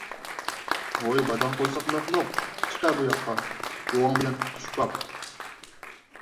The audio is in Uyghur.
ھوي باداڭ قورساق مەخلۇق، چىقە بۇ ياققا ! بوۋاڭ بىلەن تۇتۇشۇپ باق!